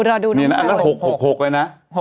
อันนั้น๖๖๖เลยนะ